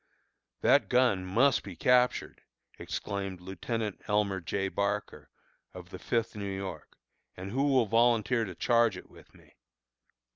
"That gun must be captured," exclaimed Lieutenant Elmer J. Barker, of the Fifth New York, "and who will volunteer to charge it with me?"